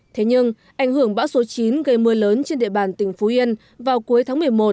thế nhưng ảnh hưởng bão số chín gây mưa lớn trên địa bàn tỉnh phú yên vào cuối tháng một mươi một